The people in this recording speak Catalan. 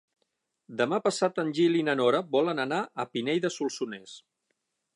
Demà passat en Gil i na Nora volen anar a Pinell de Solsonès.